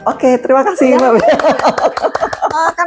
oke terima kasih mbak wiyah